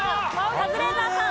カズレーザーさん。